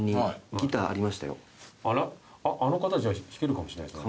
あらあの方じゃあ弾けるかもしんないですね。